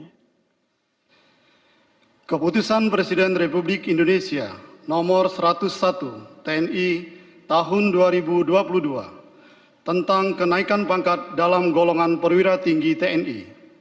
pertama keputusan presiden republik indonesia nomor satu ratus satu tni tahun dua ribu dua puluh dua tentang kenaikan pangkat dalam golongan perwira tinggi tni